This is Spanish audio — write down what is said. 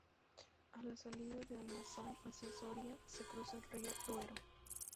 A la salida de Almazán hacia Soria, se cruza el río Duero.